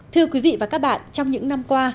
thưa quý vị và các bạn trong những năm qua